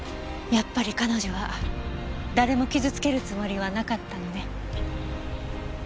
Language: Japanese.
やっぱり彼女は誰も傷つけるつもりはなかったのね。